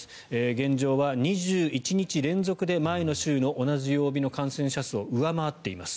現状は２１日連続で前の週の同じ曜日の感染者数を上回っています。